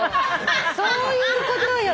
そういうことよ！